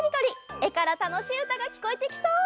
えからたのしいうたがきこえてきそう！